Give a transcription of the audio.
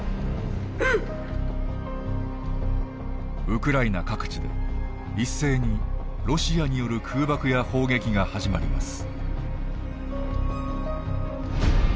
ウクライナ各地で一斉にロシアによる空爆や砲撃が始まります。